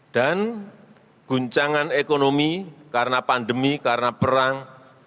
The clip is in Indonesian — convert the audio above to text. dan guncangan ekonomi karena pandemi karena perang